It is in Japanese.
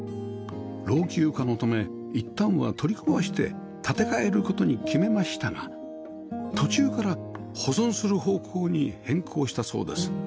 老朽化のためいったんは取り壊して建て替える事に決めましたが途中から保存する方向に変更したそうです